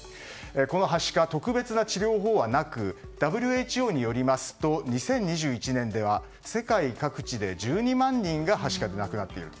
このはしか、特別な治療法はなくＷＨＯによりますと２０２１年では世界各地で１２万人がはしかで亡くなっている。